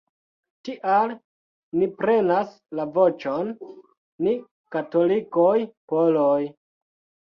Tial ni prenas la voĉon, ni katolikoj-poloj".